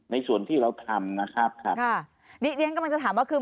ในส่วนที่เราทำนะครับนี่เรียงกำลังจะถามว่าคือ